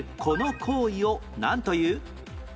この行為をなんという？